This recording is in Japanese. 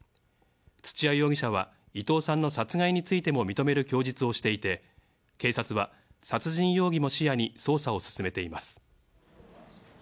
土屋容疑者は、伊藤さんの殺害についても認める供述をしていて、警察は、殺人容疑も視野に捜査を進めています。